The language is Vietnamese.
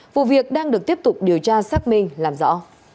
vụ việc đang được tiếp tục điều tra xác minh làm rõ